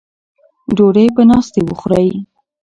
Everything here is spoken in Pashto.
ډوډۍ په ناستې وخورئ.